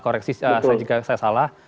koreksi jika saya salah